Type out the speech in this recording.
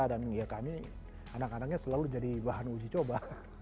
dan ya kami anak anaknya selalu jadi bahan uji coba